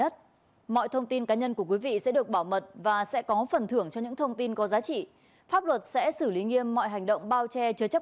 trú tại phương tân tiến tp bùa ma thuật